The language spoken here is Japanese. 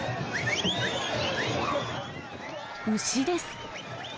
牛です。